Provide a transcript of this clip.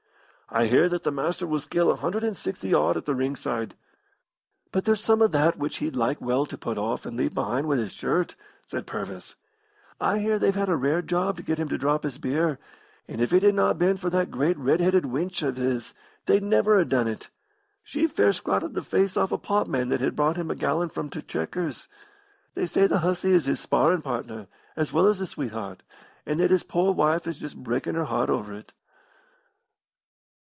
"I hear that the Master will scale a hundred and sixty odd at the ring side." "But there's some of that which he'd like well to pull off and leave behind wi' his shirt," said Purvis. "I hear they've had a rare job to get him to drop his beer, and if it had not been for that great red headed wench of his they'd never ha' done it. She fair scratted the face off a potman that had brought him a gallon from t' 'Chequers.' They say the hussy is his sparrin' partner, as well as his sweetheart, and that his poor wife is just breakin' her heart over it.